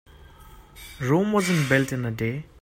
Rome wasn't built in a day.